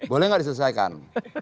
boleh gak diselesaikan